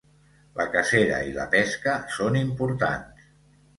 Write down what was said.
La cacera i la pesca són importants.